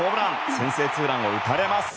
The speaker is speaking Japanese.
先制ツーランを打たれます。